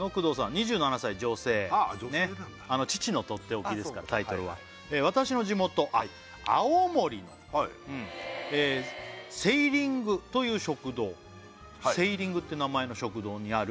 ２７歳女性「父のとっておき」ですからタイトルは「私の地元青森のセイリングという食堂」「セイリングという名前の食堂にある」